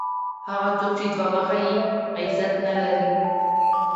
هغه څوک چي دوه مخی يي؛ عزت نه لري.